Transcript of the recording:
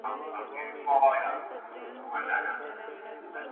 ټولنیز چاپیریال ته باید نوې کتنه وکړو.